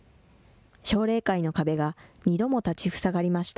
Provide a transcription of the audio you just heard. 奨励会の壁が、２度も立ちふさがりました。